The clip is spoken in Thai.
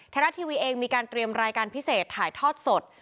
รัฐทีวีเองมีการเตรียมรายการพิเศษถ่ายทอดสด